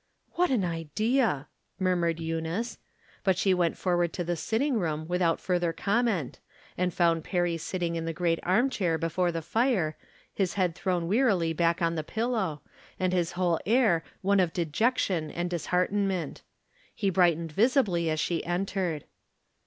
" What an idea !" murmured Eunice. But she went forward to the sitting room without further comment, and found Perry sitting in the great arm chair before the fire, his head thrown wearily back on the pillow, and his whole air one of dejection and disheartenment. He bright ened visibly as she entered.